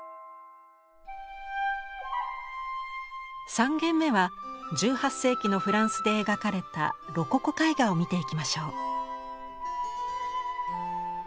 ３限目は１８世紀のフランスで描かれたロココ絵画を見ていきましょう。